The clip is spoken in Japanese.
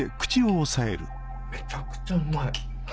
めちゃくちゃうまい。